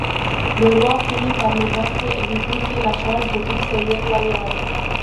Le roi finit par le gracier et lui confie la charge de conseiller royal.